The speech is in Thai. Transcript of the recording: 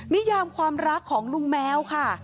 นิยามความรักของลุงแมวค่ะ